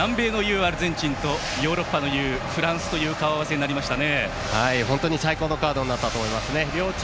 アルゼンチンとヨーロッパの雄、フランスという顔合わせになりましたね。